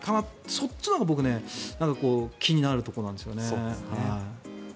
そっちのほうが僕気になるところなんですよね。